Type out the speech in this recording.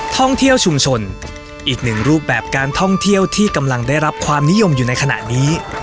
ท่องเที่ยวชุมชนอีกหนึ่งรูปแบบการท่องเที่ยวที่กำลังได้รับความนิยมอยู่ในขณะนี้